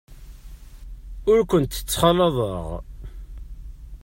Ur kent-ttxalaḍeɣ.